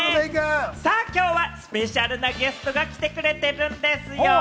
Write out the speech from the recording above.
きょうはスペシャルなゲストが来てくれてるんですよぉ。